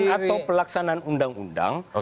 atau pelaksanaan undang undang